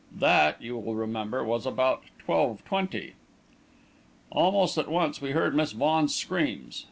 That, you will remember, was about twelve twenty. "Almost at once we heard Miss Vaughan's screams.